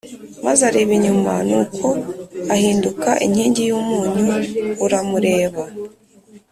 Maze areba inyuma nuko ahinduka inkingi y umunyu uramureba